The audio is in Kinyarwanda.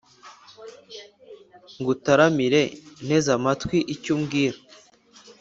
Ngutaramire nteze amatwiicyo umbwira